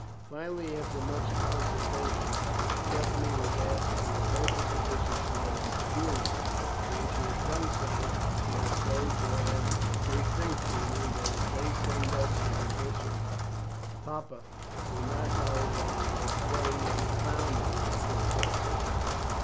Finally, after much consultation, Stephanie was asked to interpret the bishop's letter to Julian, and when she had done so she was told to add: "They think, Julian, that if they send us to the bishop papa will not know that it was they who found me and took care of me."